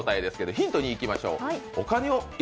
ヒント２にいきましょう。